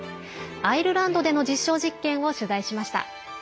アイルランドでの実証実験を取材しました。